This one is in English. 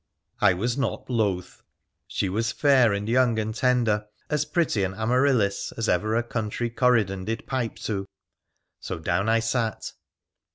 I was not loth. She was fair and young and tender — as pretty an Amaryllis as ever a country Corydon did pipe to. So down I sat.